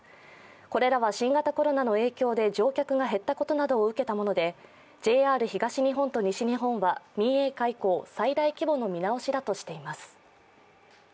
これらは新型コロナの影響で乗客が減ったことなどを受けたものでＪＲ東日本と西日本は民営化以降最大規模の見直しだとしています。